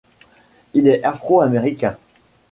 Il est afro-américain.